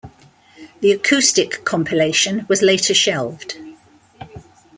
The acoustic compilation was later shelved.